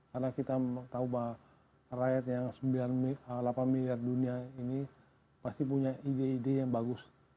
karena kita tahu bahwa rakyat yang sembilan miliar delapan miliar dunia ini pasti punya ide ide yang bagus